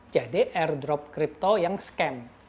jadi airdrop crypto yang scam